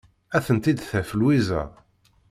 Ad tent-id-taf Lwiza.